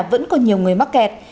vẫn có nhiều người mắc kẹt